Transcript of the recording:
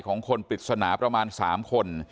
ของคนปริศนาประมาณ๓คน